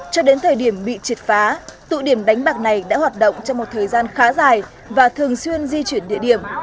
cho đến thời điểm bị triệt phá tụ điểm đánh bạc này đã hoạt động trong một thời gian khá dài và thường xuyên di chuyển địa điểm